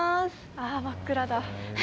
ああ真っ暗だ。